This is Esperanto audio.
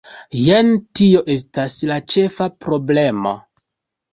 Jen tio estas la ĉefa problemo".